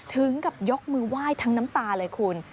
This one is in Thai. ถึงกับยกมือไหว้ทั้งน้ำตาเลยคุณ